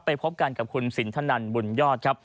พบกันกับคุณสินทนันบุญยอดครับ